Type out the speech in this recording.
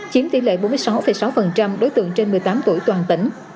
chiếm tỷ lệ bốn mươi sáu sáu đối tượng trên một mươi tám tuổi toàn tỉnh